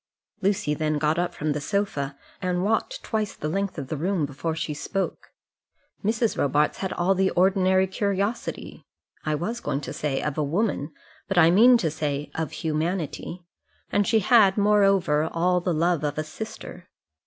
Lucy then got up from the sofa, and walked twice the length of the room before she spoke. Mrs. Robarts had all the ordinary curiosity I was going to say, of a woman, but I mean to say, of humanity; and she had, moreover, all the love of a sister.